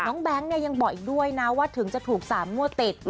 แก๊งเนี่ยยังบอกอีกด้วยนะว่าถึงจะถูก๓งวดติด